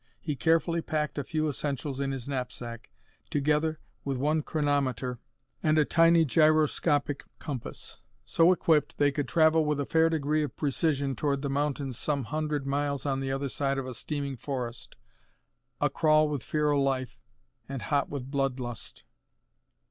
He carefully packed a few essentials in his knapsack, together with one chronometer and a tiny gyroscopic compass. So equipped, they could travel with a fair degree of precision toward the mountains some hundred miles on the other side of a steaming forest, a crawl with feral life, and hot with blood lust.